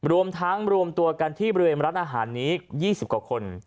รวมทั้งรวมตัวกันที่บริเวณร้านอาหารนี้๒๐กว่าคน